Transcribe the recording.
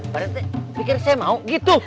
pak rete pikir saya mau gitu